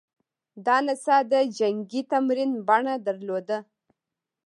دا نڅا د جنګي تمرین بڼه درلوده